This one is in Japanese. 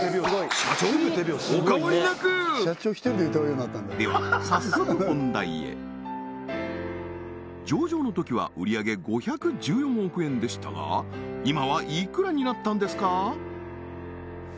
社長もお変わりなく！では上場のときは売上げ５１４億円でしたが今はいくらになったんですか？